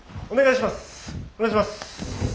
お願いします。